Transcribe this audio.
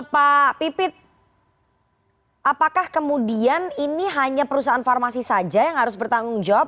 pak pipit apakah kemudian ini hanya perusahaan farmasi saja yang harus bertanggung jawab